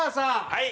はい！